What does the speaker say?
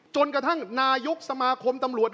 จนกระทั่งนายกสมาคมตำรวจ